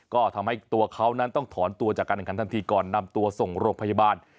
ก็ทำให้ตัวเขานั้นต้องถอนตัวจากการแข่งขันทันทีก่อนนำตัวส่งโรงพยาบาล